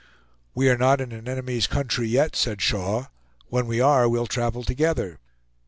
"We are not in an enemy's country, yet," said Shaw; "when we are, we'll travel together."